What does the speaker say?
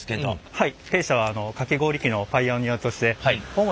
はい。